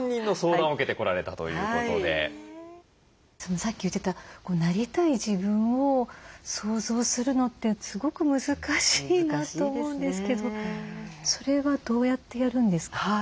さっき言ってたなりたい自分を想像するのってすごく難しいなと思うんですけどそれはどうやってやるんですか？